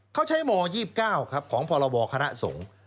เขาใช้ม๒๙ครับของพรบคณะสงฆ์